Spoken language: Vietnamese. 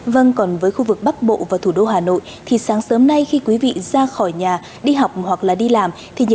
vâng còn với khu vực bắc bộ và thủ đô hà nội thì sáng sớm nay khi quý vị ra khỏi nhà đi học hoặc là đi làm